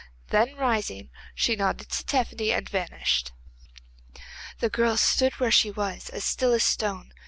Then, rising, she nodded to Tephany and vanished. The girl stood where she was, as still as a stone.